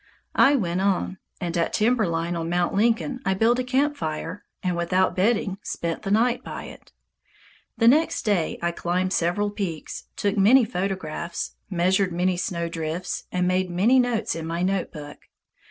I went on, and at timber line on Mt. Lincoln I built a camp fire and without bedding spent the night by it. The next day I climbed several peaks, took many photographs, measured many snowdrifts, and made many notes in my notebook.